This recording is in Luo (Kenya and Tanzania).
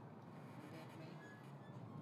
Ber maigo